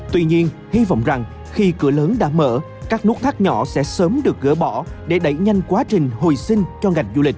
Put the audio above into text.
tuy nhiên hy vọng rằng khi cửa lớn đã mở các nút thắt nhỏ sẽ sớm được gỡ bỏ để đẩy nhanh quá trình hồi sinh cho ngành du lịch